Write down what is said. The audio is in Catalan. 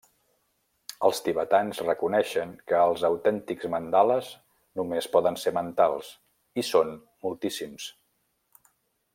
Els tibetans reconeixen que els autèntics mandales només poden ser mentals, i són moltíssims.